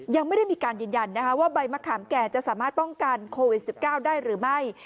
ยังไม่ได้มีการยืนยันว่าใบมะขามแก่จะสามารถป้องกันโควิด๑๙ได้หรือไม่